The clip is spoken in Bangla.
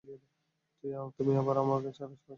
তুমি আবার আমাকে ছাড়ার সাহস কিভাবে করলে?